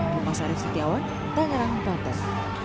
pemasa resetiawan tangerang banten